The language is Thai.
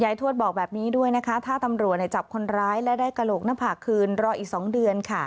แล้วก็ได้เกลากระหลุกหน้าผากคืนอยู่รออีกสองเดือนค่ะ